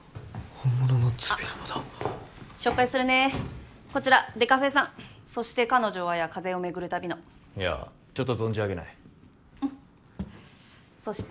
本物のＺＵＢＩＤＡＶＡだあっ紹介するねこちらデカフェさん「そして彼女は」や「風を巡る旅」のいやちょっと存じ上げないうんそして